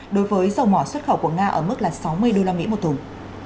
đối với dầu mỏ xuất khẩu của nga ở mức là sáu mươi usd một thùng